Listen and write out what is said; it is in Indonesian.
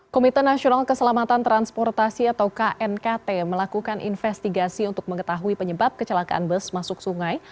komite nasional keselamatan transportasi atau knkt melakukan investigasi untuk mengetahui penyebab kecelakaan bus masuk sungai